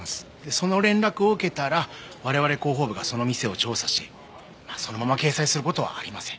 その連絡を受けたら我々広報部がその店を調査しそのまま掲載する事はありません。